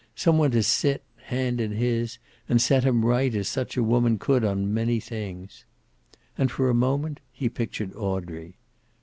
Some one to sit, hand in his, and set him right as such a woman could, on many things. And for a moment, he pictured Audrey.